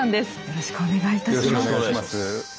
よろしくお願いします。